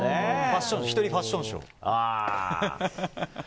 １人ファッションショー。